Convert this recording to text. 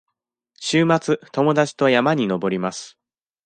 週末、友達と山に登ります。